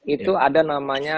itu ada namanya